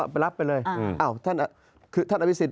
ก็ไปรับไปเลยท่านอัพโศษ